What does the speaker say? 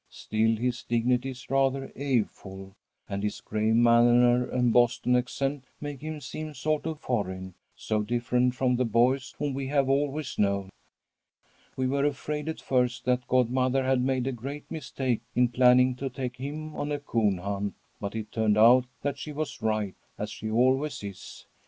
Still his dignity is rather awe full, and his grave manner and Boston accent make him seem sort of foreign, so different from the boys whom we have always known. We were afraid at first that godmother had made a great mistake in planning to take him on a coon hunt. But it turned out that she was right, as she always is.